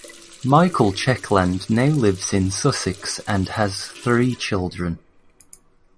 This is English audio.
Michael Checkland now lives in Sussex and has three children.